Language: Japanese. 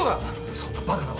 そんなバカなこと。